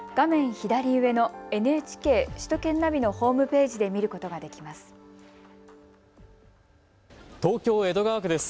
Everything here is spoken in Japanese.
左上のＮＨＫ、首都圏ナビのホームページで見ることができます。